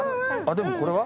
でもこれは？